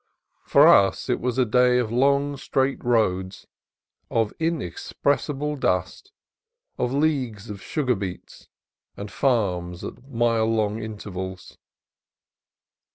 For us it was a day of long straight roads, of in expressible dust, of leagues of sugar beets, and farms at mile long intervals.